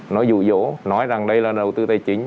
nó rủ dỗ nói rằng đây là đầu tư tài chính